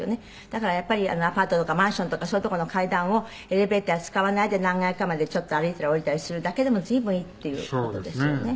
だからやっぱりアパートとかマンションとかそういうとこの階段をエレベーターを使わないで何階かまでちょっと歩いたり下りたりするだけでも随分いいっていう事ですよね。